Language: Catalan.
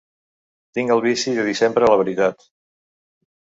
Tinc el vici de dir sempre la veritat.